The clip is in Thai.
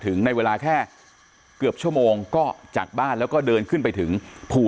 ถึงในเวลาแค่เกือบชั่วโมงก็จากบ้านแล้วก็เดินขึ้นไปถึงภู